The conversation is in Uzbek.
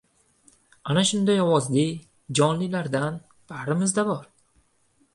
— Ana shunday ovozli jonlilardan barimizda bor!